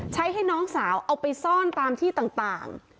ให้น้องสาวเอาไปซ่อนตามที่ต่าง